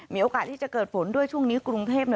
มีโอกาสที่จะเกิดฝนด้วยช่วงนี้กรุงเทพ